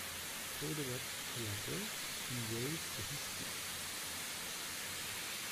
He folded up the letter, and rose to his feet.